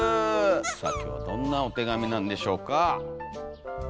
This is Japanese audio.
さあ今日はどんなお手紙なんでしょうかよっ！